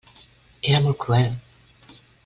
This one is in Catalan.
Era molt cruel!